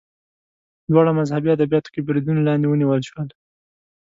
دواړه مذهبي ادبیاتو کې بریدونو لاندې ونیول شول